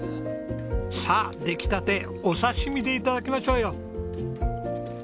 さあ出来たてお刺し身で頂きましょうよ！